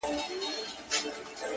• په هغه ورځ به بس زما اختر وي ـ